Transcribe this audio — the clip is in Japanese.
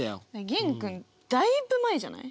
玄君だいぶ前じゃない？